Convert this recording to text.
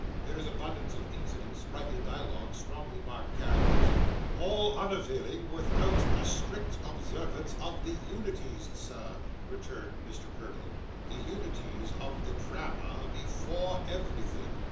'There is abundance of incident, sprightly dialogue, strongly marked characters '' All unavailing without a strict observance of the unities, sir,' returned Mr. Curdle. 'The unities of the drama, before everything.